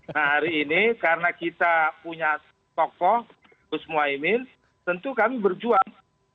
nah hari ini karena kita punya tokoh gus muhaymin tentu kami berjuang